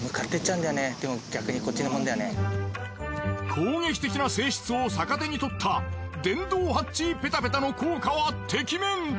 攻撃的な性質を逆手にとった電動ハッチーペタペタの効果はてきめん。